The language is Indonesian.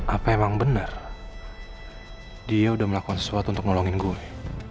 apa emang bener dia udah melakukan sesuatu untuk nolongin gue